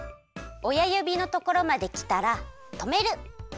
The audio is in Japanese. おやゆびのところまできたらとめる。